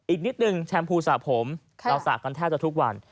อีกนิดนึงแชมพูสระผมเราสระกันแทบจะทุกวัน